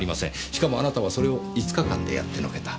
しかもあなたはそれを５日間でやってのけた。